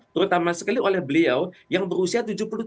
terutama sekali oleh beliau yang berusia tujuh puluh tiga